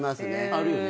あるよね。